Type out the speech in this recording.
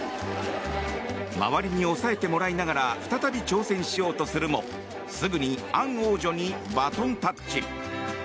周りに押さえてもらいながら再び挑戦しようとするもすぐにアン王女にバトンタッチ。